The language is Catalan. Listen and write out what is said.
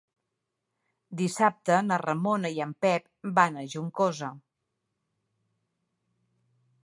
Dissabte na Ramona i en Pep vaig a Juncosa.